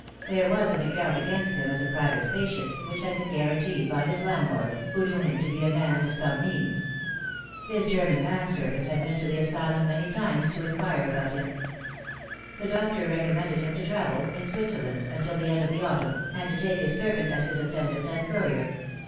There was an account against him as a private patient, which had been guaranteed by his landlord, who knew him to be a man of some means. His German man servant had been to the asylum many times to inquire about him. The doctor recommended him to travel ; in Switzerland until the end of the autumn, and to take his servant as his attendant and courier.